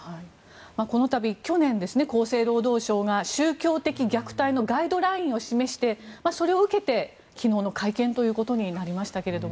この度、去年厚生労働省が宗教的虐待のガイドラインを示してそれを受けて、昨日の会見ということになりましたが。